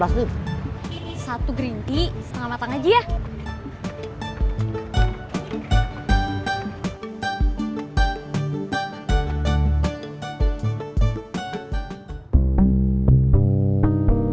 ini satu green tea setengah matang aja ya